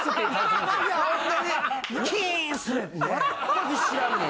全く知らんもん。